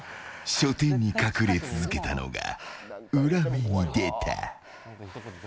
書店に隠れ続けたのが裏目に出た。